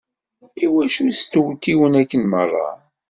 Iwacu stewtiwen akken merra?